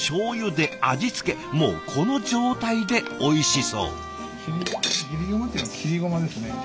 もうこの状態でおいしそう。